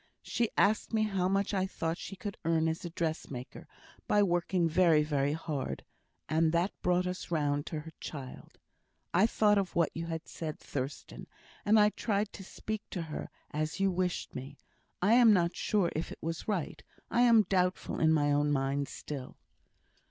She asked me how much I thought she could earn as a dressmaker, by working very, very hard; and that brought us round to her child. I thought of what you had said, Thurstan, and I tried to speak to her as you wished me. I am not sure if it was right; I am doubtful in my own mind still."